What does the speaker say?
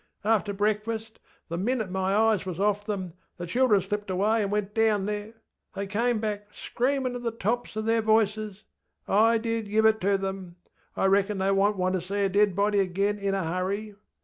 After breakfast, the minute my eyes was off them, the children slipped away and went down there. They came back screaminŌĆÖ at the tops of their voices. I did give it to them. I reckon they wonŌĆÖt want ter see a dead body again in a hurry.